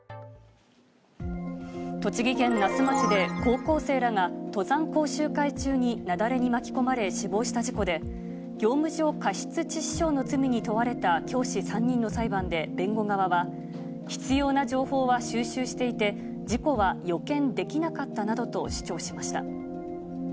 栃木県那須町で、高校生らが登山講習会中に雪崩に巻き込まれ死亡した事故で、業務上過失致死傷の罪に問われた教師３人の裁判で弁護側は、必要な情報は収集していて、事故は予見できなかったなどと主張しました。